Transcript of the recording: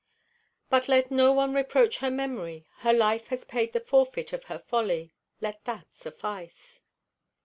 "But let no one reproach her memory. Her life has paid the forfeit of her folly. Let that suffice."